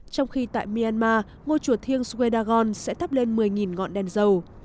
trong khi tại myanmar ngôi chùa thiêng suedagon sẽ thắp lên một mươi ngọn đèn dầu